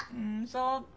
そっか。